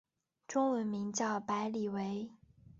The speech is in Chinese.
中文名叫白理惟。